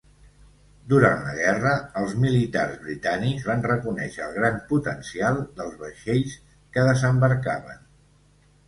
Durant la Guerra, els militars britànics van reconèixer el gran potencial dels vaixells que desembarcaven.